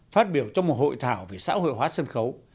phát biểu trong một hội thảo về xã hội hóa sân khấu